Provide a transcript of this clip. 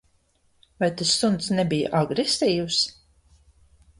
Vai tas suns nebija agresīvs?